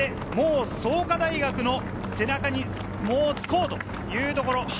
創価大学の背中にもうつこうというところ。